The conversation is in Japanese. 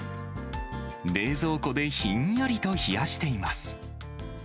冷蔵庫でひんやりと冷やしています。